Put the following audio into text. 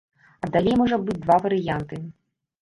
А далей можа быць два варыянты.